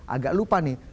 agak lupa nih